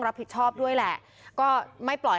รับผิดชอบด้วยแหละก็ไม่ปล่อย